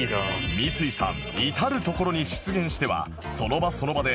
三井さん。